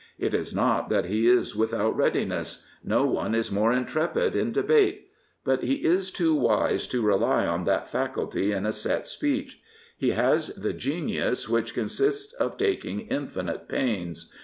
It is not that he is without readiness. No one is more inJjiepid in debate. But he is too wise to rely on that faculty in a set speech. He has the genius which consists of taking infinite pains.